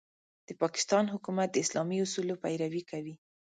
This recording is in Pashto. د پاکستان حکومت د اسلامي اصولو پيروي کوي.